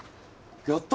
やった。